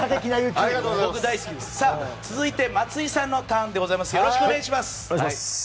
続いて、松井さんのターンです。